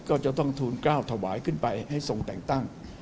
ก็จะต้องทูลกล้าวถวายขึ้นไปให้ทรงแต่งตั้ง